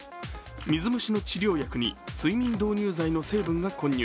水虫の治療薬に睡眠導入剤の成分が混入。